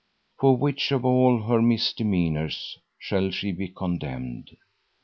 For which of all her misdemeanors shall she be condemned?